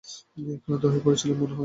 ক্লান্ত হয়ে পড়েছিলাম মনে হয়।